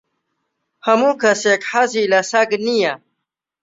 ھەموو کەسێک حەزی لە سەگ نییە.